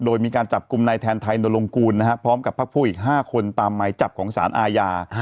โดยมีการจับกลุ่มนายแทนไทยนรงกูลพร้อมกับพักพวกอีก๕คนตามหมายจับของสารอาญา